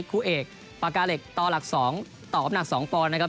คู่เอกปากาเหล็กต่อหลัก๒ต่ออำหนัก๒ปอนด์นะครับ